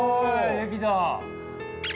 できた！